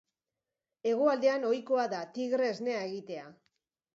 Hegoaldean ohikoa da, tigre esnea egitea.